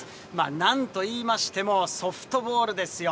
なんと言いましても、ソフトボールですよ。